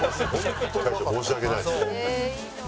大将申し訳ない。